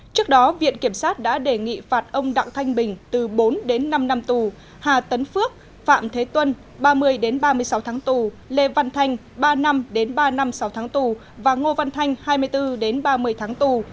trước đó viện kiểm sát đã đề nghị phạt ông đặng thanh bình từ bốn đến năm năm tù hà tấn phước phạm thế tuân ba mươi ba mươi sáu tháng tù lê văn thanh ba năm đến ba năm sáu tháng tù và ngô văn thanh hai mươi bốn đến ba mươi tháng tù